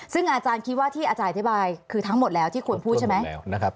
ซึ่งอาจารย์คิดว่าที่อาจารย์อธิบายคือทั้งหมดแล้วที่ควรพูดใช่ไหม